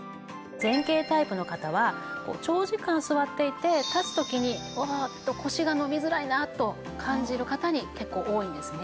前傾タイプの方は長時間座っていて立つ時に腰が伸びづらいなと感じる方に結構多いんですね。